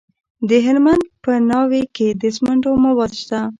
د هلمند په ناوې کې د سمنټو مواد شته.